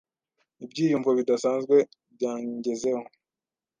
Ibyiyumvo bidasanzwe byangezeho.